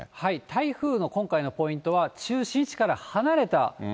台風の今回のポイントは、中心位置から離れた所、